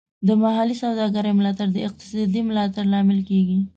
د محلي سوداګرۍ ملاتړ د اقتصادي ودې لامل کیږي.